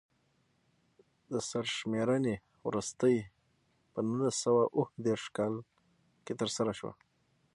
د سرشمېرنې وروستۍ په نولس سوه اووه دېرش کال کې ترسره شوه.